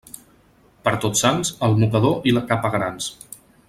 Per Tots Sants, el mocador i la capa grans.